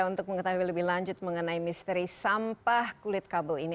untuk mengetahui lebih lanjut mengenai misteri sampah kulit kabel ini